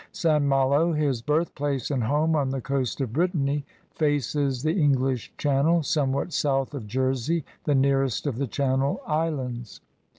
St. Malo, his birthplace and home, on the coast of Brittany, A VOYAGEUR OF BEITTANY 17 faces the English Channel somewhat south of Jersey, the nearest of the Channel Islands.